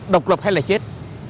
độc lập hay là chết